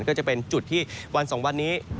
ก็จะเป็นจุดที่วัน๒วันนี้